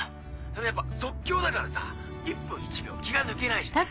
やっぱ即興だからさ１分１秒気が抜けないじゃない。